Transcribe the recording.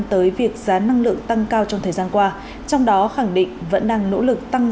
tới việc giá năng lượng tăng cao trong thời gian qua trong đó khẳng định vẫn đang nỗ lực tăng